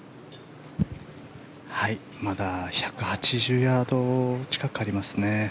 まだ１８０ヤード近くありますね。